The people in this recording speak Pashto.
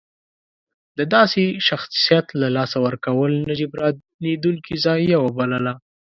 د داسې شخصیت له لاسه ورکول نه جبرانېدونکې ضایعه وبلله.